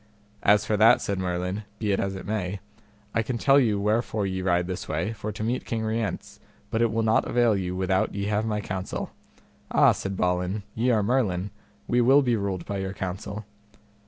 As for that, said Merlin, be it as it be may, I can tell you wherefore ye ride this way, for to meet King Rience; but it will not avail you without ye have my counsel. Ah! said Balin, ye are Merlin; we will be ruled by your counsel.